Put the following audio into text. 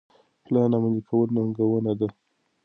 پلان عملي کول ننګونه ده.